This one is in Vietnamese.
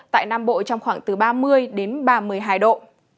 tại nam bộ trong khoảng từ ba mươi đến ba mươi hai độ